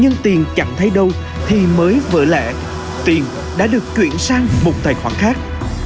nhưng khi nhân viên không thấy đâu thì mới vỡ lẽ tiền đã được chuyển sang một tài khoản khác